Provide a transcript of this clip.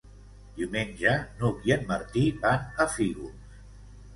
Diumenge n'Hug i en Martí van a Fígols.